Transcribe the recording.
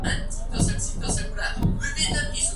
En la antigüedad fue utilizado como lugar de culto aborigen.